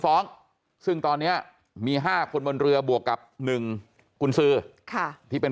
ฟ้องซึ่งตอนนี้มี๕คนบนเรือบวกกับ๑กุญสือที่เป็น